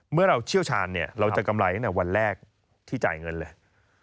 เมื่อเราเชี่ยวชาญเราจะกำไรตั้งแต่วันแรกที่จ่ายเงินเลย